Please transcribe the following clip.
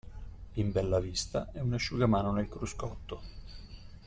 In bella vista e un asciugamano nel cruscotto.